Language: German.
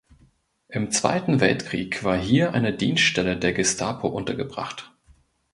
Im Zweiten Weltkrieg war hier eine Dienststelle der Gestapo untergebracht.